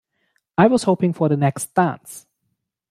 I was hoping for the next dance.